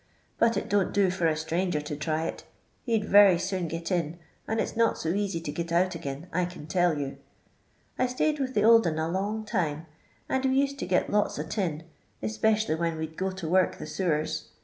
But it don't do for a stranger to try it, he 'd wery soon git in, and it 's not bo easy to git out agin, I can tell you. I stay'd with the old un a long time, and we used to git lots o' tin, specially when we 'd go to work the sewers.